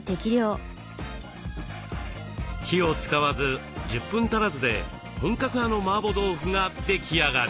火を使わず１０分足らずで本格派の麻婆豆腐が出来上がり。